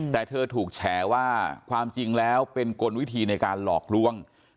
แต่เธอถูกแฉว่าความจริงแล้วเป็นกลวิธีในการหลอกล่วง